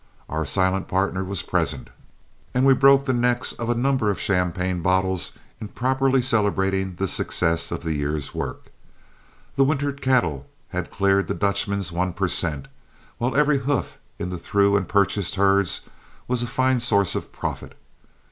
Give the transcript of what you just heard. Our silent partner was present, and we broke the necks of a number of champagne bottles in properly celebrating the success of the year's work. The wintered cattle had cleared the Dutchman's one per cent, while every hoof in the through and purchased herds was a fine source of profit.